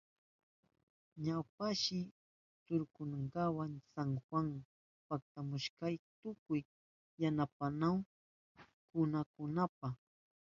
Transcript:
Ñawpashi rukukunaka ña San Juan paktarihushpan tukuy yantapayanahun kununankunapa.